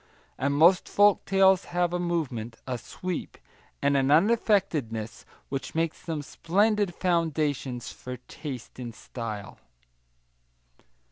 And most folk tales have a movement, a sweep, and an unaffectedness which make them splendid foundations for taste in style.